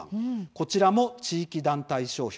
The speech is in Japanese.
こちらも地域団体商標。